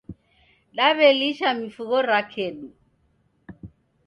D'aw'elisha mifugho ra kedu